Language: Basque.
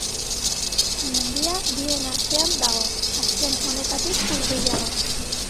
Mendia bien artean dago, azken honetatik hurbilago.